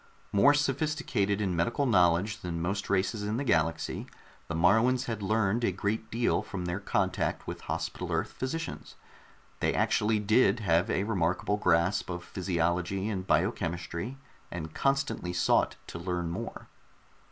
More sophisticated in medical knowledge than most races in the galaxy, the Moruans had learned a great deal from their contact with Hospital Earth physicians. They actually did have a remarkable grasp of physiology and biochemistry, and constantly sought to learn more.